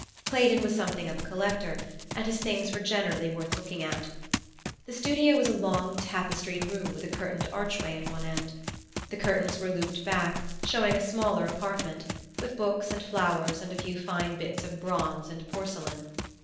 Claydon was something of a collector and his things were generally worth looking at. The studio was a long tapestried room with a curtained archway at one end. The curtains were looped back, showing a smaller apartment, with books and flowers and a few fine bits of bronze and porcelain.